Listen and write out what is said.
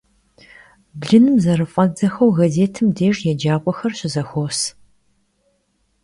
Blınım zerıf'eddzexxeu, gazêtım dêjj yêcak'uexer şızexuos.